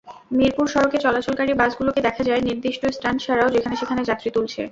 মিরপুর সড়কে চলাচলকারী বাসগুলোকে দেখা যায়, নির্দিষ্ট স্ট্যান্ড ছাড়াও যেখানে-সেখানে যাত্রী তুলছে।